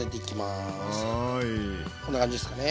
こんな感じですかね。